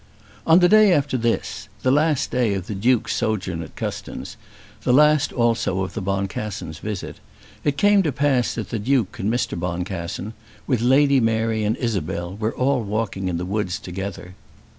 On the day after this, the last day of the Duke's sojourn at Custins, the last also of the Boncassens' visit, it came to pass that the Duke and Mr. Boncassen, with Lady Mary and Isabel, were all walking in the woods together.